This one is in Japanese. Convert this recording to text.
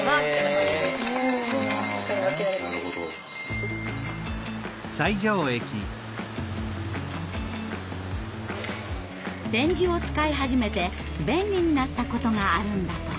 点字を使い始めて便利になったことがあるんだとか。